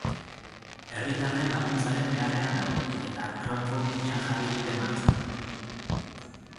Herritarren laguntzaren beharrean daude, eta crowdfundinga jarri dute martxan.